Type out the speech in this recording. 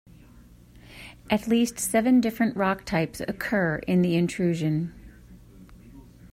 At least seven different rock types occur in the intrusion.